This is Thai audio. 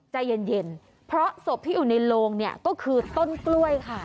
ใจเย็นเพราะศพที่อยู่ในโลงเนี่ยก็คือต้นกล้วยค่ะ